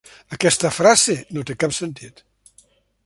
Aquesta frase no té cap sentit.